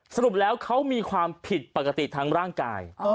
สรุปแล้วเขามีความผิดปกติทางร่างกาย